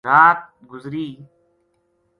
رات گُزری